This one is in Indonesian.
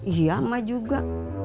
iya mah juga